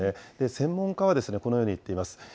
専門家はこのように言っています。